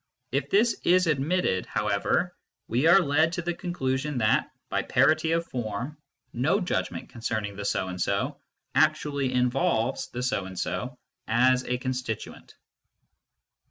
If this is admitted, however, we are led to the conclusion that, by parity of form, no judg ment concerning " the so and so " actually involves the so and so as a constituent.